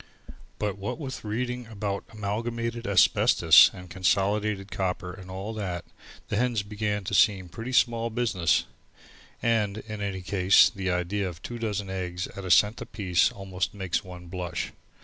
But what with reading about Amalgamated Asbestos and Consolidated Copper and all that, the hens began to seem pretty small business, and, in any case, the idea of two dozen eggs at a cent apiece almost makes one blush.